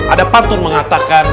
ada pantun mengatakan